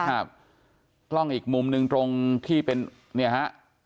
ครับกล้องอีกมุมหนึ่งตรงที่เป็นเนี่ยฮะ